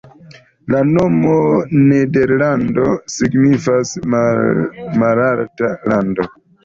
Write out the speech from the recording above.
La nomo "Nederlandoj" signifas "malaltaj landoj".